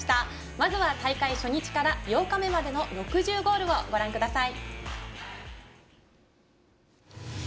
まずは大会初日から８日目までの６０ゴールをご覧ください。